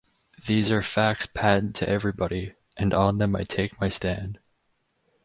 These are facts patent to everybody, and on them I take my stand.